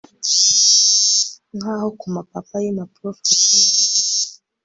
nkaho kumababa yimpapuro, flutter noneho igwa